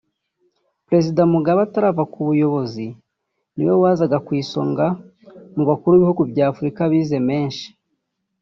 Perezida Mugabe atarava ku buyobozi niwe wazaga ku isonga mu bakuru b’ibihugu bya Afurika bize menshi